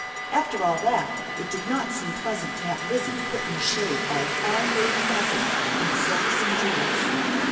After all that, it did not seem pleasant to have Lizzie put in the shade by a fine lady cousin in silks and jewels.